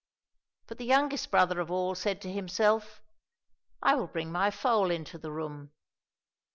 But the youngest brother of all said to himself, " I will bring my foal into the room."